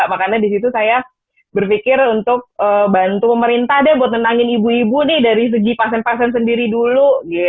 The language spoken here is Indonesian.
karena di situ saya berpikir untuk bantu pemerintah deh buat nenangin ibu ibu nih dari segi pasien pasien sendiri dulu